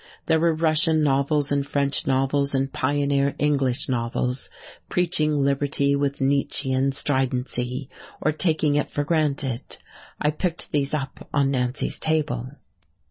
There were Russian novels and French novels, and pioneer English novels preaching liberty with Nietzschean stridency, or taking it for granted. I picked these up on Nancy's table.